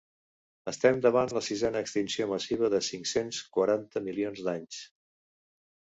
Estem davant la sisena extinció massiva en cinc-cents quaranta milions d’anys.